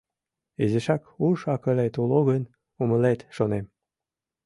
Изишак уш-акылет уло гын, умылет, шонем...